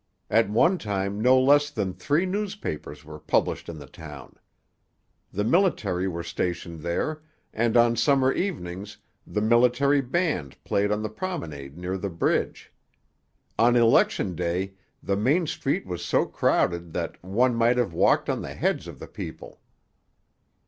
At one time no less than three newspapers were published in the town. The military were stationed there, and on summer evenings the military band played on the promenade near the bridge. On election day the main street was so crowded that 'one might have walked on the heads of the people.'